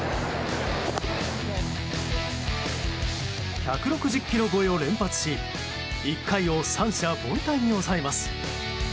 １６０キロ超えを連発し１回を三者凡退に抑えます。